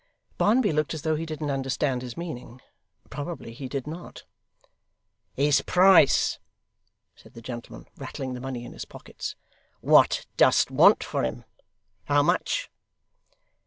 Barnaby looked as though he didn't understand his meaning. Probably he did not. 'His price,' said the gentleman, rattling the money in his pockets, 'what dost want for him? How much?